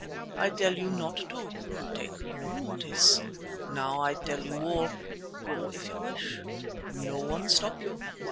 I tell you not to. You take no notice. Now I tell you all—go if you wish, no one stop you.